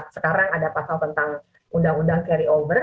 sekarang ada pasal tentang undang undang carryover